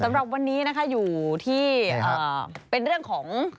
สำหรับวันนี้นะคะอยู่ที่เป็นเรื่องของ